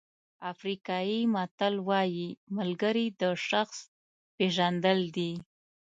افریقایي متل وایي ملګري د شخص پېژندل دي.